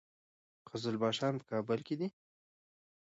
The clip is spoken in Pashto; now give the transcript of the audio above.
قزلباشان په کابل کې دي؟